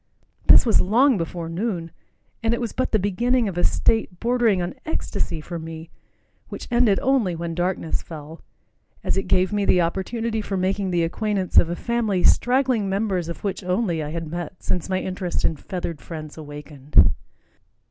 This was long before noon, and it was but the beginning of a state bordering on ecstasy for me which ended only when darkness fell, as it gave me the opportunity for making the acquaintance of a family, straggling members of which, only, I had met since my interest in feathered friends awakened.